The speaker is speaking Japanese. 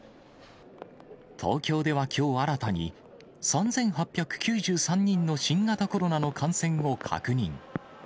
東京ではきょう、新たに３８９３人の新型コロナの感染を確認。